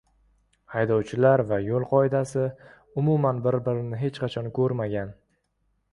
Haydovchilar va yoʻl qoidasi umuman bir-birini hech qachon koʻrmagan.